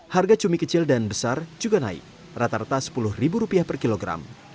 harga cumi kecil dan besar juga naik rata rata sepuluh ribu rupiah per kilogram